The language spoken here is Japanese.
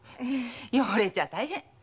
汚れちゃ大変。